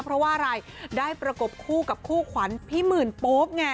เพราะว่าอะไรได้ประกบคู่กับคู่ขวัญพี่หมื่นโป๊ปไง